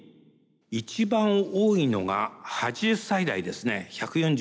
一番多いのが８０歳代ですね１４４人。